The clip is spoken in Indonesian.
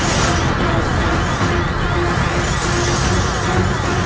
jangan sampai kau menyesal sudah menentangku